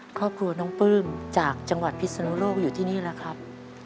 ครอบครัวน้องปลื้มจากจังหวัดพิศนุโลกอยู่ที่นี่แล้วครับ